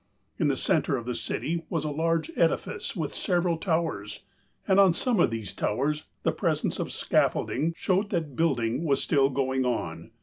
In the center of the city was a large edifice with several towers, and on some of these towers the presence of scaffolding showed that building was still going on.